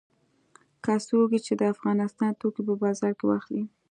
که څوک وي چې د افغانستان توکي په بازار کې واخلي.